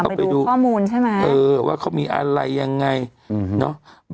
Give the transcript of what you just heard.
ข้ามไปดูข้อมูลใช่ไหมเออว่าเขามีอะไรอย่างไรเนอะ